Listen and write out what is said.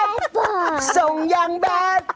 เออส้งอย่างแบท